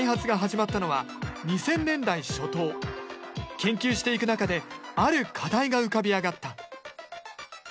研究していく中である課題が浮かび上がった。